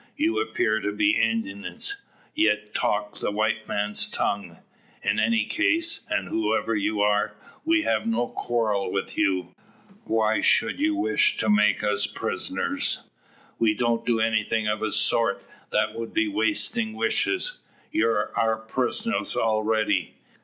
You appear to be Indians, yet talk the white man's tongue. In any case, and whoever you are, we have no quarrel with you. Why should you wish to make us prisoners?" "We don't do anything of the sort. That would be wastin' wishes. You're our pris'ners already."